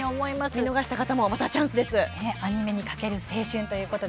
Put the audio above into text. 見逃した方もぜひ、チャンスです。